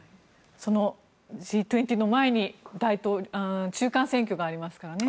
そのＧ２０の前に中間選挙がありますからね。